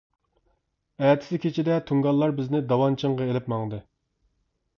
ئەتىسى كېچىدە تۇڭگانلار بىزنى داۋانچىڭغا ئېلىپ ماڭدى.